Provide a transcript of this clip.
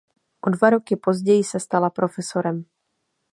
O dva roky později se stala profesorem.